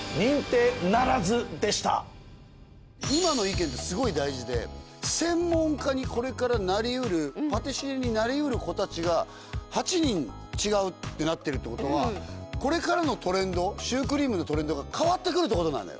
今の意見ってすごい大事で専門家にこれからなり得るパティシエになり得る子たちが８人違うってなってるって事はこれからのトレンドシュークリームのトレンドが変わってくるって事なんだよ。